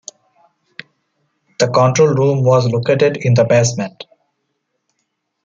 The Control Room was located in the basement.